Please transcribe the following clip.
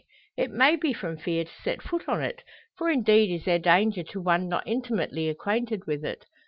It may be from fear to set foot on it; for indeed is there danger to one not intimately acquainted with it.